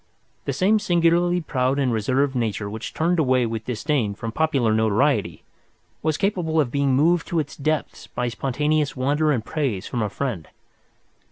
The same singularly proud and reserved nature which turned away with disdain from popular notoriety was capable of being moved to its depths by spontaneous wonder and praise from a friend.